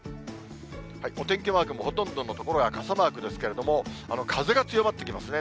お天気マークもほとんどの所が傘マークですけれども、風が強まってきますね。